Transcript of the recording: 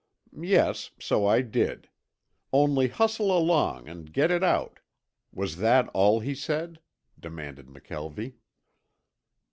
"Yes, so I did. Only hustle along and get it out. Was that all he said?" demanded McKelvie.